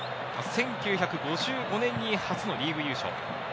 １９５５年に初のリーグ優勝。